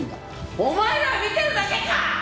「お前らは見てるだけか！」